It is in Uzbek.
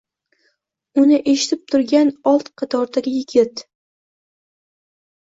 Uni eshitib turgan old qatordagi yigit